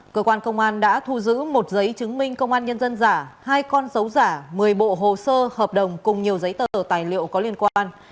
cơ quan công an đã thu giữ một giấy chứng minh công an nhân dân giả hai con dấu giả một mươi bộ hồ sơ hợp đồng cùng nhiều giấy tờ tài liệu có liên quan